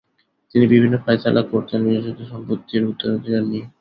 তিনি বিভিন্ন ফায়সালা করতেন বিশেষত সম্পত্তির উত্তরাধিকার নিয়ে।